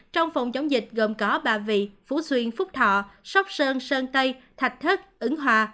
trong phòng chống dịch gồm có ba vị phú xuyên phúc thọ sóc sơn sơn tây thạch thất ứng hòa